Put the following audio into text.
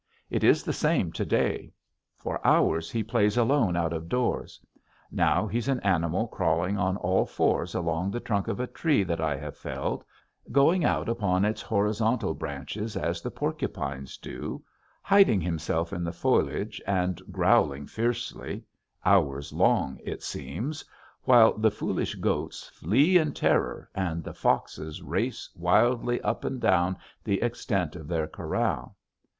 It is the same to day. For hours he plays alone out of doors. Now he's an animal crawling on all fours along the trunk of a tree that I have felled, going out upon its horizontal branches as the porcupines do, hiding himself in the foliage and growling fiercely hours long it seems while the foolish goats flee in terror and the foxes race wildly up and down the extent of their corral.